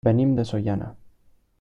Venim de Sollana.